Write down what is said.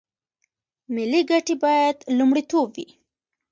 ملي ګټې باید لومړیتوب وي